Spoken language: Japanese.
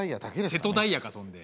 瀬戸大也かそんで。